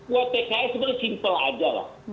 wah pks sebenarnya simple aja lah